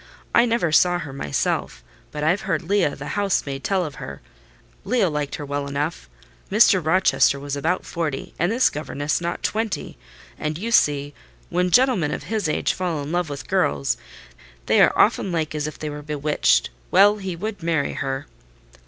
I never saw her myself; but I've heard Leah, the house maid, tell of her. Leah liked her well enough. Mr. Rochester was about forty, and this governess not twenty; and you see, when gentlemen of his age fall in love with girls, they are often like as if they were bewitched. Well, he would marry her."